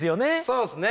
そうっすね。